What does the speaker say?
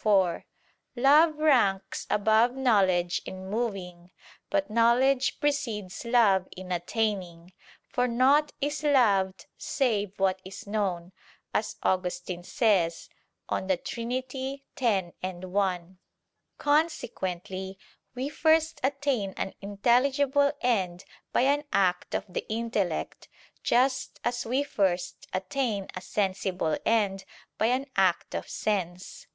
4: Love ranks above knowledge in moving, but knowledge precedes love in attaining: for "naught is loved save what is known," as Augustine says (De Trin. x, 1). Consequently we first attain an intelligible end by an act of the intellect; just as we first attain a sensible end by an act of sense.